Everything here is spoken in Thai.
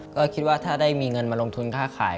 ก็คิดว่าถ้าได้มีเงินมาลงทุนค่าขาย